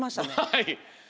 はい。